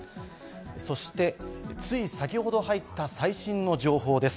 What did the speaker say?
そして、つい先程入った最新の情報です。